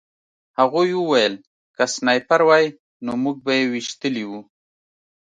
هغوی وویل که سنایپر وای نو موږ به یې ویشتلي وو